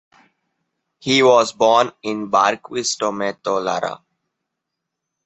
He was born in Barquisimeto, Lara.